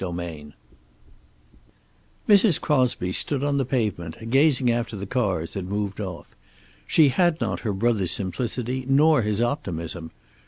II Mrs. Crosby stood on the pavement, gazing after the car as it moved off. She had not her brother's simplicity nor his optimism.